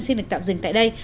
xin được tạm dừng tại đây